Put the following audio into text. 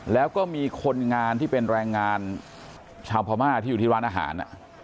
แล้วก็มีคนงานที่เป็นแรงงานชาวพม่าที่อยู่ที่ร้านอาหาร